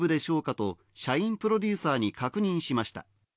と、社員プロデューサーに確認しました。